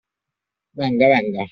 Venga, venga!